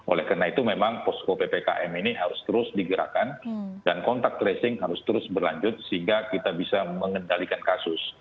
oleh karena itu memang posko ppkm ini harus terus digerakkan dan kontak tracing harus terus berlanjut sehingga kita bisa mengendalikan kasus